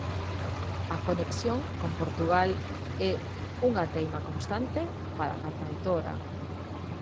A conexión con Portugal é "unha teima constante" para a cantautora.